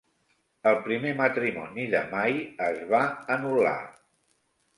El primer matrimoni de Mai es va anul·lar.